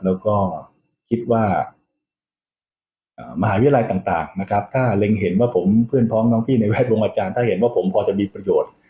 แล้วก็คิดว่ามหาวิทยาลัยต่างนะครับถ้าเล็งเห็นว่าผมเพื่อนพ้องน้องพี่ในแวดวงอาจารย์ถ้าเห็นว่าผมพอจะมีประโยชน์